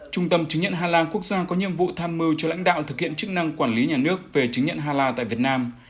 trung tâm chứng nhận hà la quốc gia có nhiệm vụ tham mưu cho lãnh đạo thực hiện chức năng quản lý nhà nước về chứng nhận hà la tại việt nam